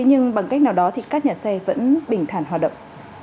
nhưng bằng cách nào đó thì các nhà xe vẫn bình thản hoạt động